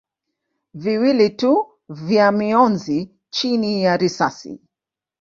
viwili tu vya mionzi chini ya risasi.